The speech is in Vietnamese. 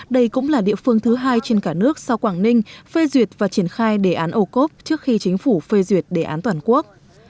đây cũng là địa phương thứ hai trên cả nước sau quảng ninh phê duyệt và triển khai đề án ổ cốp trước khi chính phủ phê duyệt đề án toàn quốc